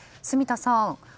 住田さん